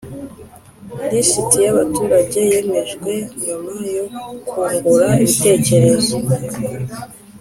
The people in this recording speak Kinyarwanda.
Lisiti y’abaturage yemejwe nyuma yo kungurana ibitekerezo